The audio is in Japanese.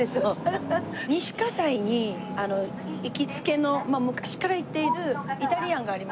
西葛西に行きつけの昔から行っているイタリアンがあります。